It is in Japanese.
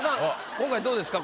今回どうですか？